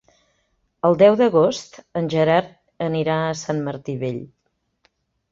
El deu d'agost en Gerard anirà a Sant Martí Vell.